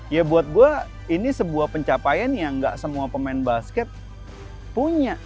ya buat gue ini sebuah pencapaian yang gak semua pemain basket punya